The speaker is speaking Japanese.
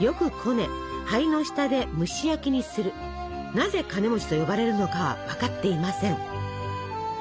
なぜカネと呼ばれるのかは分かっていません。